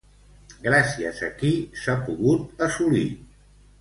Gràcies a qui s'ha pogut assolir?